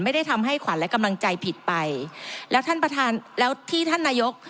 ไม่ได้ทำให้ขวัญและกำลังใจผิดไปแล้วท่านประธานแล้วที่ท่านนายก